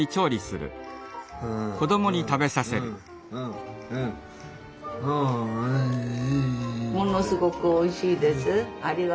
「ものすごくおいしいです」？